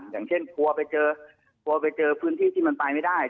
อย่างเช่นกลัวไปเจอพื้นที่ที่มันตายไม่ได้